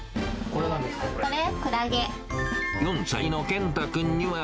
これ？